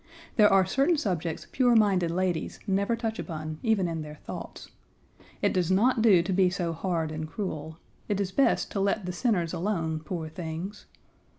There are certain subjects pure minded ladies never touch upon, even in their thoughts. It does not do to be so hard and cruel. It is best to let the sinners alone, poor things.